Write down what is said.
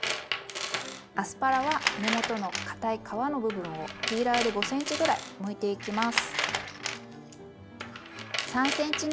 アスパラは根元のかたい皮の部分をピーラーで５ｃｍぐらいむいていきます。